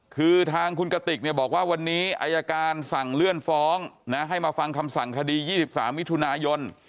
คือทางคุณกติกบอกว่าวันนี้อายการสั่งเลื่อนฟ้องนะให้มาฟังคำสั่งคดี๒๓มิถุนายน